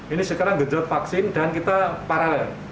ini sekarang gejot vaksin dan kita paralel